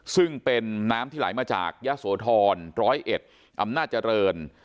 ซึ่งเป็นน้ำที่ไหลมาจากยะโสธร๑๐๑อำนาจเจริญ